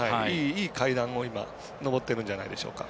いい階段を上ってるんじゃないでしょうか。